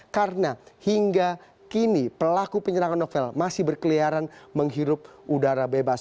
karena hingga kini pelaku penyerangan novel masih berkeliaran menghirup udara bebas